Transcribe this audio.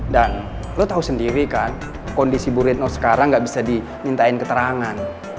dan lo tau sendiri kan kondisi bu retno sekarang gak bisa dimintain keterangan